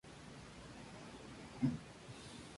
Unamuno escribió sus conocidos artículos "¡Muera Don Quijote!